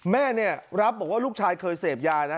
แม่เนี่ยรับบอกว่าลูกชายเคยเสพยานะ